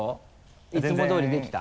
いつも通りできた？